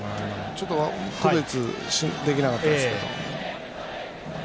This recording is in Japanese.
ちょっと区別ができなかったですけど。